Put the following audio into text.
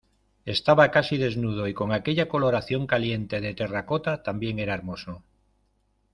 estaba casi desnudo, y con aquella coloración caliente de terracota también era hermoso.